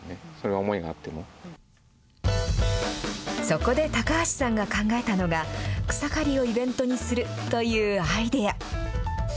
そこで高橋さんが考えたのが、草刈りをイベントにするというアイデア。